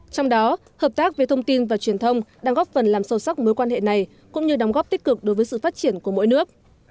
trong đó hợp tác về thông tin và truyền thông đang góp phần làm sâu sắc mối quan hệ này cũng như đóng góp tích cực đối với sự phát triển của mỗi nước